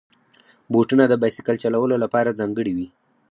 بوټونه د بایسکل چلولو لپاره ځانګړي وي.